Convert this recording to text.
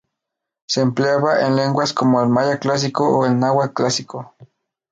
Se empleaba en lenguas como el maya clásico o el náhuatl clásico.